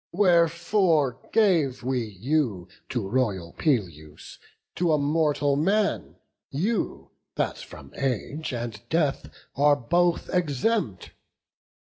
wherefore gave we you To royal Peleus, to a mortal man, You that from age and death are both exempt!